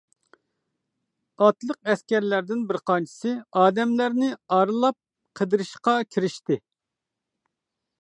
ئاتلىق ئەسكەرلەردىن بىر قانچىسى ئادەملەرنى ئارىلاپ قىدىرىشقا كىرىشتى.